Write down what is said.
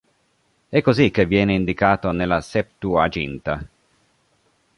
È così che viene indicato nella Septuaginta.